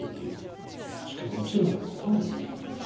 しかも一度ならず三度まで。